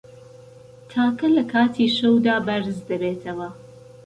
تاکە له کاتی شەودا بەرز دەبێتەوه